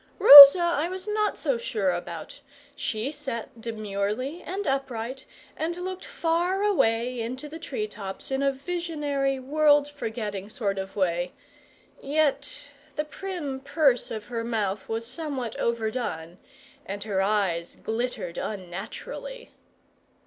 Rosa I was not so sure about; she sat demurely and upright, and looked far away into the tree tops in a visionary, world forgetting sort of way; yet the prim purse of her mouth was somewhat overdone, and her eyes glittered unnaturally.